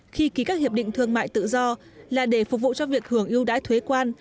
khi ký các hiệp định thương mại tự do là để phục vụ cho việc hưởng ưu đãi thuế quan